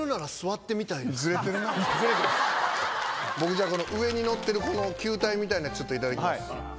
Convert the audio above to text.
僕じゃあこの上にのってる球体みたいなんいただきます。